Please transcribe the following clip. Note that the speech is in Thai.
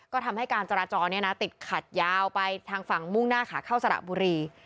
ก็ทำให้การจราจรติดขัดยาวไปทางฝั่งมุ่งหน้าขาเข้าสระบุรี